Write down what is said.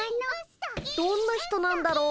どんな人なんだろう。